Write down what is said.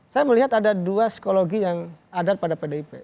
saya melihat ada dua psikologi yang ada pada pdip